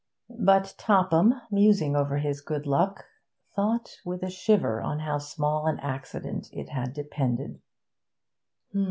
But Topham, musing over his good luck, thought with a shiver on how small an accident it had depended.